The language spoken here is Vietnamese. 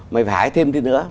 mày phải hái thêm đi nữa